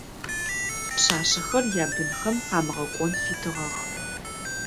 Пшъашъэхэр ябынхэм къамыгъэкӏон фитыгъэх.